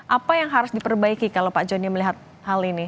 apa yang harus diperbaiki kalau pak joni melihat hal ini